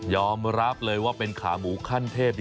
อมรับเลยว่าเป็นขาหมูขั้นเทพ